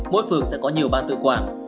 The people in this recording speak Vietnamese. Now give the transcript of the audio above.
mỗi phường sẽ có nhiều ban tự quản